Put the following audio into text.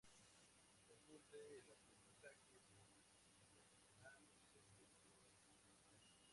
Consulte el aprendizaje del personal docente de pruebas complementarias.